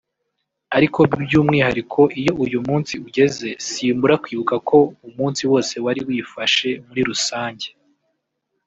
ariko by’umwihariko iyo uyu munsi ugeze simbura kwibuka uko umunsi wose wari wifashe muri rusange